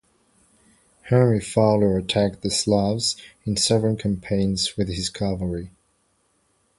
Henry the Fowler attacked the Slavs in several campaigns with his cavalry.